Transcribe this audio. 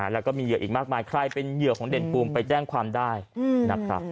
แล้วก็มีเหยื่ออีกมากมายใครเป็นเหยื่อของเด่นภูมิไปแจ้งความได้นะครับ